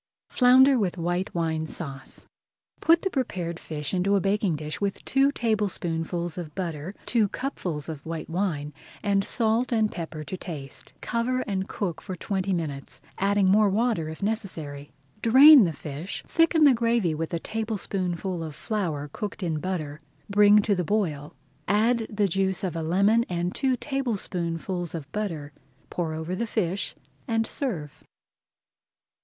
FLOUNDER WITH WHITE WINE SAUCE Put the prepared fish into a baking dish [Page 150] with two tablespoonfuls of butter, two cupfuls of white wine, and salt and pepper to season. Cover and cook for twenty minutes, adding more water if necessary. Drain the fish, thicken the gravy with a tablespoonful of flour cooked in butter, bring to the boil, add the juice of a lemon and two tablespoonfuls of butter, pour over the fish, and serve.